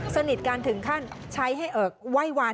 สนิทกันถึงขั้นใช้ให้เอิกไหว้วาน